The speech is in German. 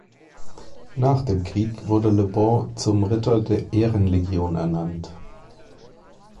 Nach dem Krieg wurde Le Bon zum Ritter der Ehrenlegion ernannt.